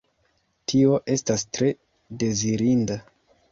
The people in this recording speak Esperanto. Tio estas tre dezirinda.